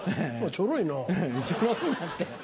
「ちょろいな」って。